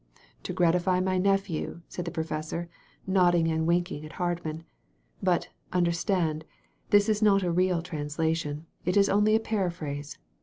"To gratify my nephew," said the prof^sor, nodding and winking at Hardman. "But, under stand, this is not a real translation. It is only a paraphrase.